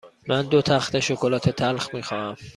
من دو تخته شکلات تلخ می خواهم.